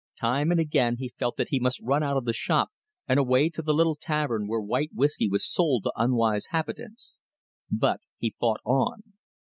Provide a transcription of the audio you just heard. Time and again he felt that he must run out of the shop and away to the little tavern where white whiskey was sold to unwise habitants. But he fought on.